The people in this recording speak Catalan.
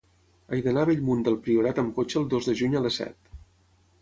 He d'anar a Bellmunt del Priorat amb cotxe el dos de juny a les set.